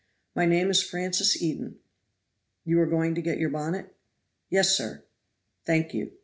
My name is Francis Eden. You are going to get your bonnet?" "Yes, sir." "Thank you."